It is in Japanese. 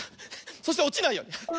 そしておちないように。